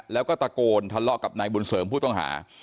แล้วก็ตะโกนทะเลาะกับนายบุญเสริมผู้ต้องหา